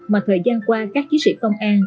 mà thời gian qua các chí sĩ công an